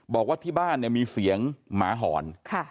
บอกว่าที่บ้านเนี่ยมีเสียงหมาหอน